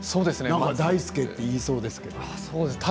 大輔って言いそうですけど。